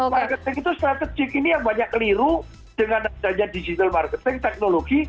marketing itu strategic ini yang banyak keliru dengan adanya digital marketing teknologi